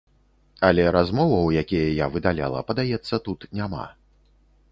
Але размоваў, якія я выдаляла, падаецца, тут няма.